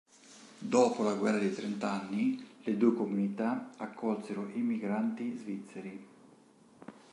Dopo la guerra dei trent'anni, le due comunità accolsero immigranti svizzeri.